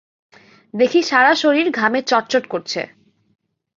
দেখি সারা শরীর ঘামে চটচট করছে।